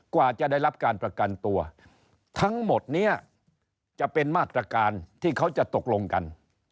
กว่าจะได้รับการประกันตัวทั้งหมดนี้จะเป็นมาตรการที่เขาจะตกลงกัน